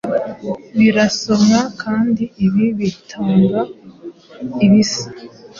birasomwakandi ibi bitanga ibisa